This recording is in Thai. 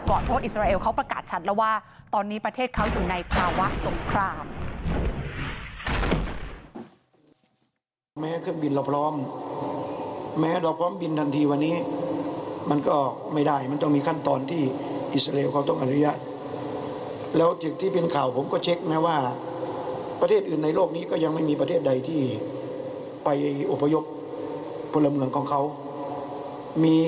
เพราะอิสราเอลเขาประกาศชัดแล้วว่าตอนนี้ประเทศเขาอยู่ในภาวะสงคราม